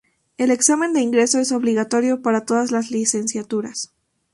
El examen de ingreso es obligatorio para todas las licenciaturas.